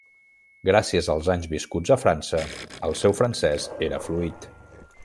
Gràcies als anys viscuts a França, el seu francès era fluid.